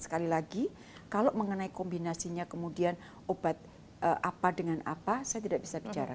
sekali lagi kalau mengenai kombinasinya kemudian obat apa dengan apa saya tidak bisa bicara